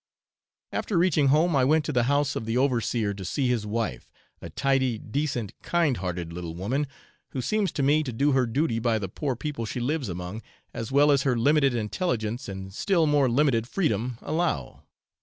After reaching home I went to the house of the overseer to see his wife, a tidy, decent, kind hearted, little woman, who seems to me to do her duty by the poor people she lives among, as well as her limited intelligence and still more limited freedom allow.